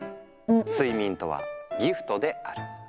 「睡眠とはギフトである」。